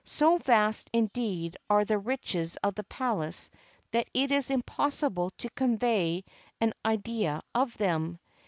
So vast, indeed, are the riches of the palace that it is impossible to convey an idea of them.